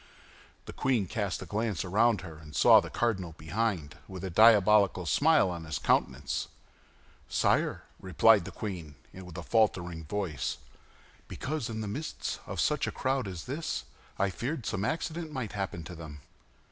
The queen cast a glance around her, and saw the cardinal behind, with a diabolical smile on his countenance. "Sire," replied the queen, with a faltering voice, "because, in the midst of such a crowd as this, I feared some accident might happen to them."